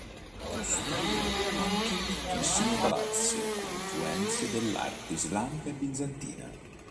Costruì anche un ricchissimo palazzo con influenze dell'arte islamica e bizantina.